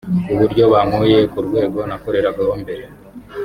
ku buryo bankuye ku rwego nakoreragaho mbere